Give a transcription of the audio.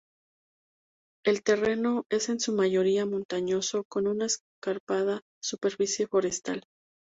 El terreno es en su mayoría montañoso con una escarpada superficie forestal.